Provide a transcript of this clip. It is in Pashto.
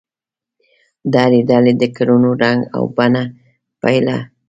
د هرې ډلې د کړنو رنګ او بڼه بېله ده.